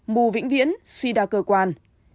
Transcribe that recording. mù vĩnh viễn suy đa cơ quan